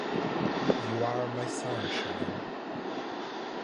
You Are My Sunshine.